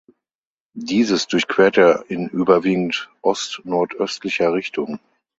Dieses durchquert er in überwiegend ostnordöstlicher Richtung.